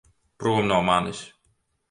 Prom no manis!